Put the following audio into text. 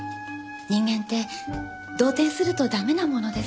人間って動転すると駄目なものですね。